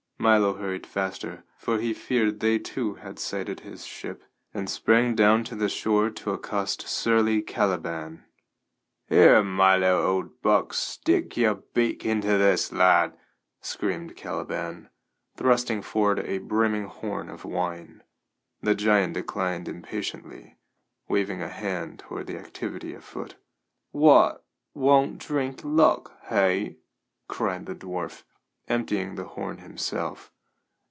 Milo hurried faster, for he feared they too had sighted his ship, and sprang down to the shore to accost surly Caliban. "Here, Milo old buck, stick yer beak into this, lad!" screamed Caliban, thrusting forward a brimming horn of wine. The giant declined impatiently, waving a hand toward the activity afoot. "What, won't drink luck, hey?" cried the dwarf, emptying the horn himself.